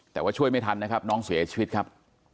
แต่ว่าช่วยไม่ทันนะครับน้องเสียชีวิตครับ